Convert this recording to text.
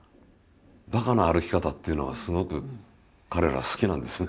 バカな歩き方っていうのはすごく彼ら好きなんですね。